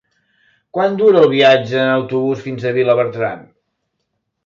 Quant dura el viatge en autobús fins a Vilabertran?